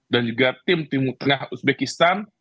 dan juga tim tengah uzbekistan